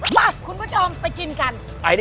วะคุณก็จองไปกินกัน